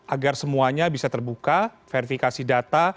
agar semuanya bisa terbuka verifikasi data